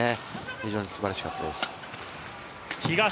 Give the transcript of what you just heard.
非常にすばらしかったです。